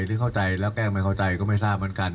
หรือเข้าใจแล้วแกล้งไม่เข้าใจก็ไม่ทราบเหมือนกัน